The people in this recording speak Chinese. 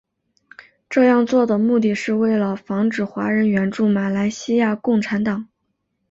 这样做的目的是为了防止华人援助马来亚共产党。